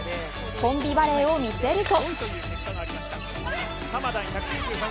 コンビバレーを見せると。